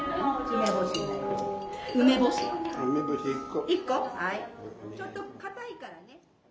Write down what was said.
ちょっと硬いからね。